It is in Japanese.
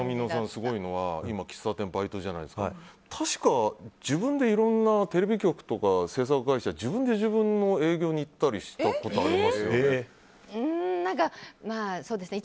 すごいのは今、喫茶店バイトじゃないですか確か自分でいろんなテレビ局とか制作会社自分で自分の営業に行ったりしたことありますよね。